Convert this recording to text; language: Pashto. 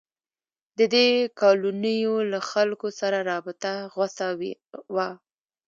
د دې کالونیو له خلکو سره رابطه غوڅه وه.